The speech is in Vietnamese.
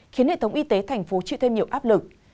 khiến hệ thống y tế thành phố chịu thêm nhiều áp lực